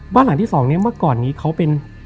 บ้านร้างที่๒เนี่ยเมื่อก่อนนี้เขาเป็น